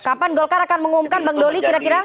kapan golkar akan mengumumkan bang doli kira kira